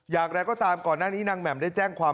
อย่างไรก็ตามก่อนหน้านี้นางแหม่มได้แจ้งความ